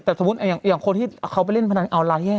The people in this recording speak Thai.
แต่สมมุติอย่างคนที่เขาไปเล่นพนันออนไลน์แย่